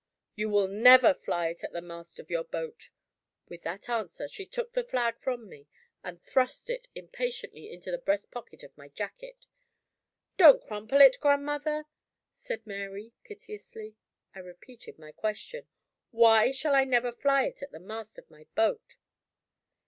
"You will never fly it at the mast of your boat!" With that answer she took the flag from me and thrust it impatiently into the breast pocket of my jacket. "Don't crumple it, grandmother!" said Mary, piteously. I repeated my question: "Why shall I never fly it at the mast of my boat?"